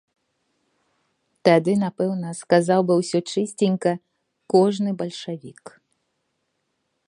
Тады напэўна сказаў бы ўсё чысценька кожны бальшавік.